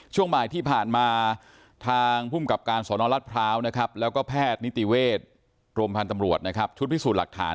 ช่วงใหม่ที่ผ่านมาทางภูมิกับการสนนรัฐพร้าวและแพทย์นิติเวชรวมพันธ์ตำรวจถูกพิสูจน์หลักฐาน